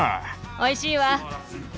おいしいわ。